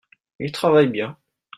il travaille bien.